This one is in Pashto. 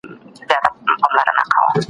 د ایپي د مورچلونو وخت به بیا سي